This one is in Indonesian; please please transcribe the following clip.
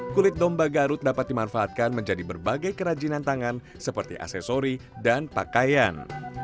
kulit domba garut dapat dimanfaatkan menjadi berbagai kerajinan tangan seperti aksesori dan pakaian